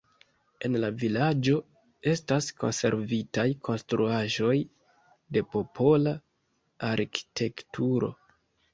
En la vilaĝo estas konservitaj konstruaĵoj de popola arkitekturo.